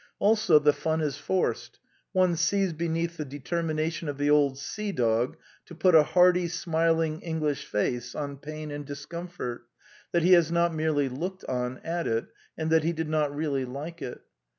Also, the fun is forced: one sees beneath the determination of the old sea dog to put a hearty smiling English face on pain and discomfort, that he has not merely looked on at it, and that he did not really like it.